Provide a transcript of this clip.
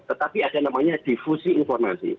tetapi ada namanya difusi informasi